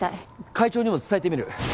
会長にも伝えてみる。